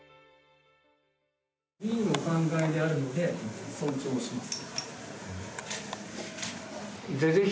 議員のお考えであるので尊重します。